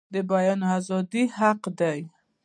د بیان ازادي حق دی